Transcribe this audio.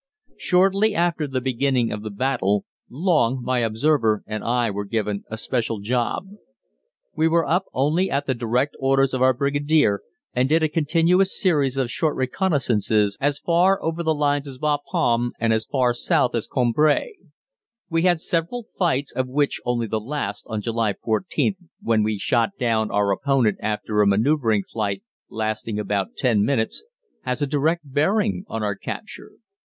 Shortly after the beginning of the battle, Long, my observer, and I were given a special job. We went up only at the direct orders of our Brigadier and did a continuous series of short reconnaissances as far over the lines as Bapaume and as far south as Cambrai. We had several fights, of which only the last, on July 14th, when we shot down our opponent after a manoeuvring fight lasting about ten minutes, has a direct bearing on our capture.